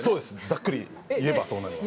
ざっくり言えば、そうなります。